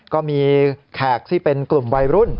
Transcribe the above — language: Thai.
ก็มีแขกที่เป็นกลุ่มวัยรุ่น